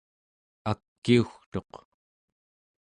akiugtuq